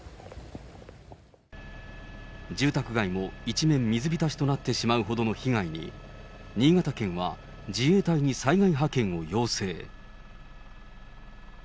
住宅街も一面、水浸しとなってしまうほどの被害に、新潟県は自衛隊に災害派遣を要請。